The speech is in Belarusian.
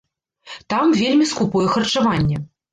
Там вельмі скупое харчаванне.